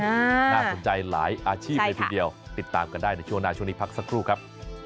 น่าสนใจหลายอาชีพเลยทีเดียวติดตามกันได้ในช่วงหน้าช่วงนี้พักสักครู่ครับ